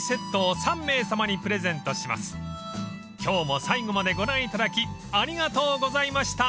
［今日も最後までご覧いただきありがとうございました］